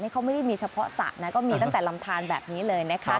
เขาไม่ได้มีเฉพาะสระนะก็มีตั้งแต่ลำทานแบบนี้เลยนะคะ